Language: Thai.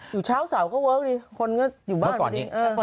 อยู่เช้าเสาร์ก็เวิร์คดิคนก็อยู่บ้านพอดี